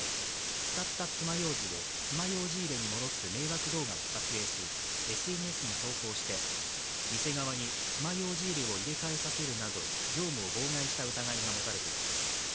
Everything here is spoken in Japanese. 使った爪ようじを爪ようじ入れに戻す迷惑動画を撮影し、ＳＮＳに投稿して店側に爪ようじ入れを入れ替えさせるなど業務を妨害した疑いが持たれています。